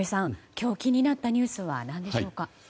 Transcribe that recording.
今日気になったニュースは何でしょうか。